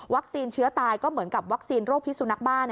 เชื้อตายก็เหมือนกับวัคซีนโรคพิสุนักบ้า